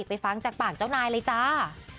ไปฟังปากจ้าวนายเลยจ้า